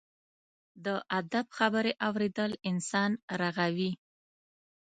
د ادب خبرې اورېدل انسان رغوي.